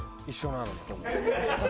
一緒なのに。